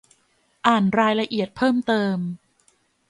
อ่านรายละเอียดเพิ่มเติม